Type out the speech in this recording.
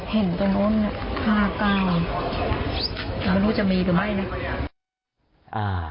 เห็นตรงนู้น๕๙ไม่รู้จะมีหรือไม่นะ